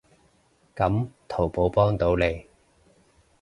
噉淘寶幫到你